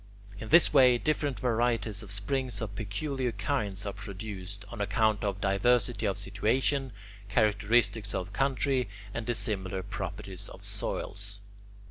In this way, different varieties of springs of peculiar kinds are produced, on account of diversity of situation, characteristics of country, and dissimilar properties of soils.